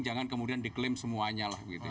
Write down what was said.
jangan kemudian diklaim semuanya